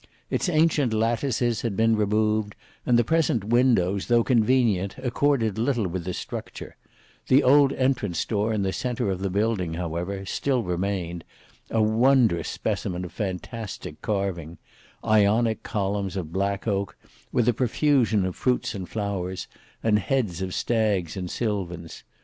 Its ancient lattices had been removed, and the present windows though convenient accorded little with the structure; the old entrance door in the centre of the building however still remained, a wondrous specimen of fantastic carving: Ionic columns of black oak, with a profusion of fruits and flowers, and heads of stags and sylvans.